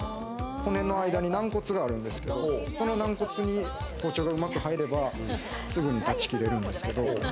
骨の間に軟骨があるんですけど、この軟骨に包丁がうまく入れば、すぐに断ち切れるんですけど。